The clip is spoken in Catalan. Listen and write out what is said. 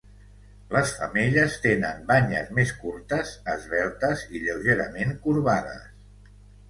Les femelles tenen banyes més curtes, esveltes i lleugerament corbades.